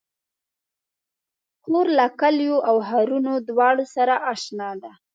خور له کليو او ښارونو دواړو سره اشنا ده.